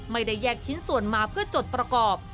ไม่ได้แยกชิ้นส่วนมาเพื่อจดประกอบ